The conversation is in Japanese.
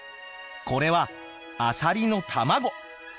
これはアサリの卵。